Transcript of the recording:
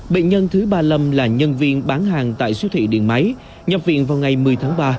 bệnh nhân thứ ba mươi năm là nhân viên bán hàng tại siêu thị điện máy nhập viện vào ngày một mươi tháng ba